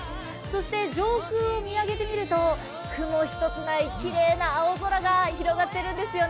そして上空を見上げてみると雲一つない青空が広がっています。